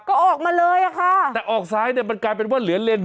ก็ออกมาเลยอ่ะค่ะแต่ออกซ้ายเนี่ยมันกลายเป็นว่าเหลือเลน